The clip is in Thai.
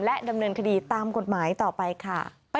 ดำเนินคดีตามกฎหมายต่อไปค่ะ